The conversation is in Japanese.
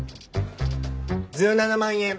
１７万円。